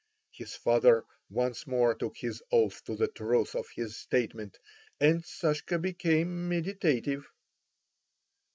His father once more took his oath to the truth of his statement, and Sashka became meditative.